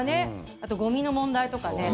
あとゴミの問題とかね。